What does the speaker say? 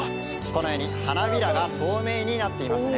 このように花びらが透明になっていますね。